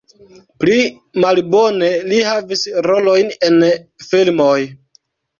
Pli malofte li havis rolojn en filmoj.